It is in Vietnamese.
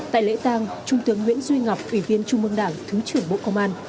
tại lễ tang trung tướng nguyễn duy ngọc bị viên trung ương đảng thứ trưởng bộ công an